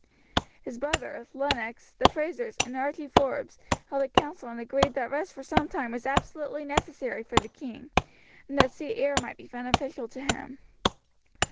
His brother, Lennox, the Frazers, and Archie Forbes held a council and agreed that rest for some time was absolutely necessary for the king, and that sea air might be beneficial to him.